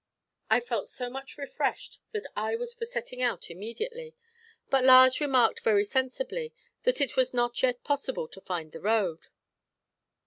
I felt so much refreshed that I was for setting out immediately; but Lars remarked very sensibly that is was not yet possible to find the road.